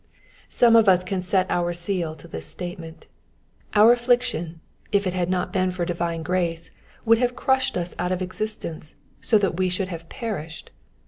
Borne Of us can set our seal to this statement Our affliction, if it had not been for divine grace, would have crushed us, out of existence, so that we should have perished.